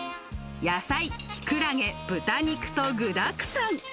野菜、キクラゲ、豚肉と具だくさん。